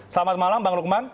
selamat malam bang lukman